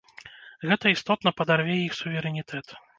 Гэта істотна падарве іх суверэнітэт.